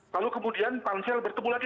lalu kemudian pansel bertemu lagi